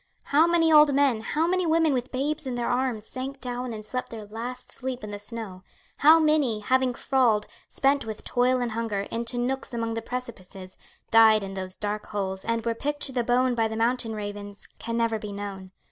How many old men, how many women with babes in their arms, sank down and slept their last sleep in the snow; how many, having crawled, spent with toil and hunger, into nooks among the precipices, died in those dark holes, and were picked to the bone by the mountain ravens, can never be known.